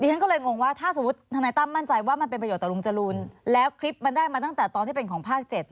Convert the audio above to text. ฉันก็เลยงงว่าถ้าสมมุติธนายตั้มมั่นใจว่ามันเป็นประโยชนต่อลุงจรูนแล้วคลิปมันได้มาตั้งแต่ตอนที่เป็นของภาค๗